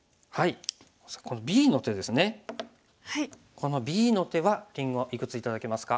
このＢの手はりんごいくつ頂けますか？